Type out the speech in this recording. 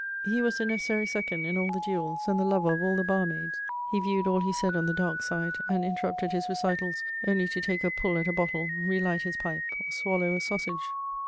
He was the necessary second in all the duels and the lover of all the barmaids. He viewed all he said on the dark side, and interrupted his recitals only to take a pull at a bottle, relight his pipe, or swallow a sausage.